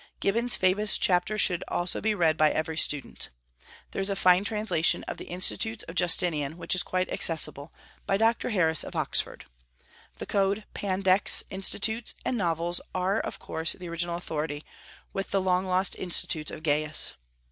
Gibbon's famous chapter should also be read by every student. There is a fine translation of the Institutes of Justinian, which is quite accessible, by Dr. Harris of Oxford. The Code, Pandects, Institutes, and Novels are of course the original authority, with the long lost Institutes of Gaius.